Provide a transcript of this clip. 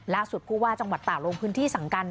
ล่าสุดก็ว่าจังหวัดตากลงพื้นที่สั่งกัน